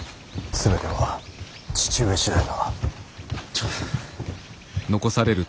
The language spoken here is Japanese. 全ては父上次第だ。